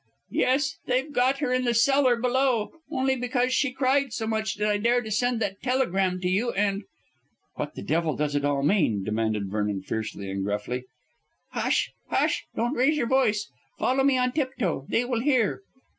"Yes. They've got her in the cellar below. Only because she cried so much did I dare to send that telegram to you, and " "What the devil does it all mean?" demanded Vernon fiercely and gruffly. "Hush, hush! Don't raise your voice. Follow me on tip toe. They will hear."